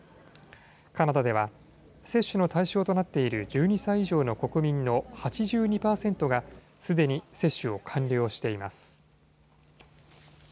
カナダでは接種の対象となっている１２歳以上の国民の８２％が、すでに接種を完了しています。